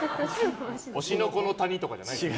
推しの子の谷とかじゃないよ。